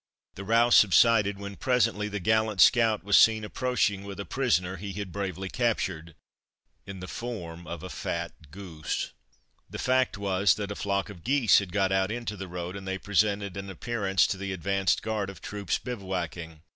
The row subsided, when presently the gallant scout was seen approaching with a prisoner he had bravely captured in the form of a fat goose. The fact was that a flock of geese had got out into the road, and they presented an appearance to the advanced guard of troops bivouacking.